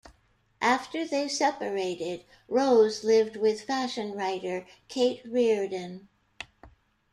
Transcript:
After they separated, Rose lived with fashion writer Kate Reardon.